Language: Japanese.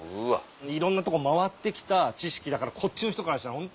いろんなとこ回ってきた知識だからこっちの人からしたら。